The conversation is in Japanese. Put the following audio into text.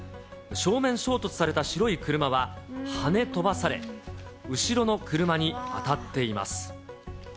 正面衝突された白い車は跳ね飛ばされ、後ろの車に当たっています。